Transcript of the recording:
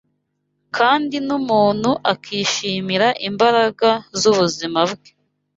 kandi n’umuntu akishimira imbaraga z’ubuzima bwe